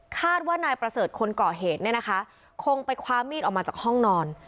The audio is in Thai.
คาดว่านายประเสริฐคนก่อเหตุเนี่ยนะคะคงไปคว้ามีดออกมาจากห้องนอน